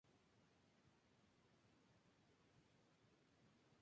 Gist le propuso a Monro que llevara al joven como ayudante, y así hizo.